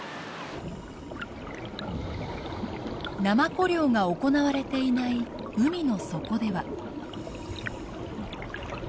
ナマコ漁が行われていない海の底では。